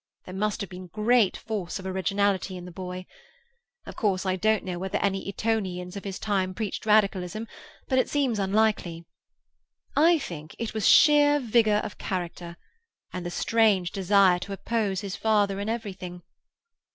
There must have been great force of originality in the boy. Of course I don't know whether any Etonians of his time preached Radicalism, but it seems unlikely. I think it was sheer vigour of character, and the strange desire to oppose his father in everything.